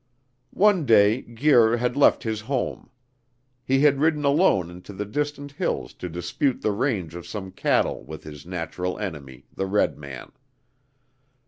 "One day Guir had left his home. He had ridden alone into the distant hills to dispute the range for some cattle with his natural enemy, the red man.